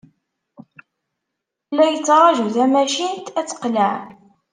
La yettṛaju tamacint ad teqleɛ.